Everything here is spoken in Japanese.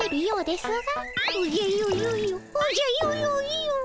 おじゃよよよおじゃよよよ。